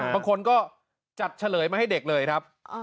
บางคนก็จัดเฉลยมาให้เด็กเลยครับ